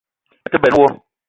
Me te benn wo